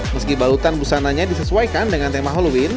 meski balutan busananya disesuaikan dengan tema halloween